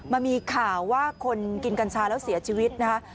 มันมีข่าวว่าคนกินกัญชาแล้วเสียชีวิตนะคะ